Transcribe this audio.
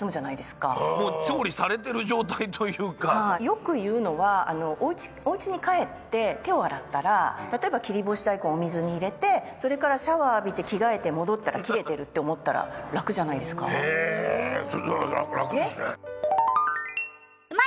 よく言うのはおうちに帰って手を洗ったら例えば切り干し大根をお水に入れてそれからシャワー浴びて着替えて戻ったら切れてるって思ったら楽じゃないですか？へ楽ですね。